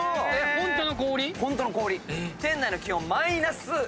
ホントの氷⁉